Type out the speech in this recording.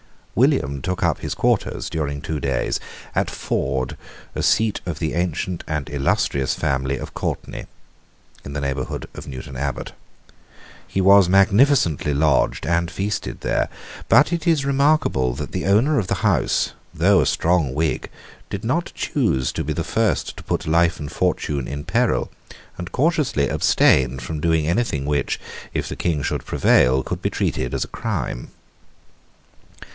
William took up his quarters, during two days, at Ford, a seat of the ancient and illustrious family of Courtenay, in the neighbourhood of Newton Abbot. He was magnificently lodged and feasted there; but it is remarkable that the owner of the house, though a strong Whig, did not choose to be the first to put life and fortune in peril, and cautiously abstained from doing anything which, if the King should prevail, could be treated as a crime.